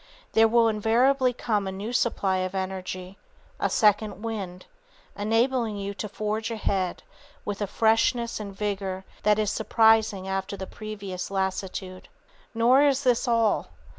_There will invariably come a new supply of energy, a "second wind," enabling you to forge ahead with a freshness and vigor that is surprising after the previous lassitude._ Nor is this all.